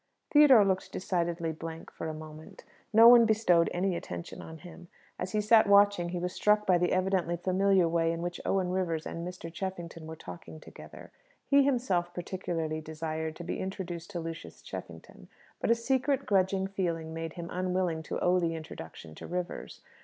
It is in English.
Theodore looked decidedly blank for the moment. No one bestowed any attention on him. As he sat watching, he was struck by the evidently familiar way in which Owen Rivers and Mr. Cheffington were talking together. He himself particularly desired to be introduced to Lucius Cheffington, but a secret, grudging feeling made him unwilling to owe the introduction to Rivers.